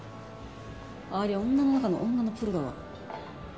ありゃ女の中の女のプロだわ。